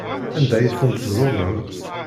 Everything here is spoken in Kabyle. Anda ay tent-tzulem?